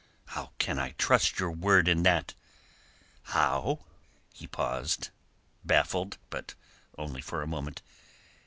"How can I trust your word in that?" "How?" He paused, baffled; but only for a moment.